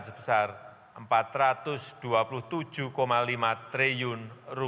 sebesar rp empat ratus dua puluh tujuh lima triliun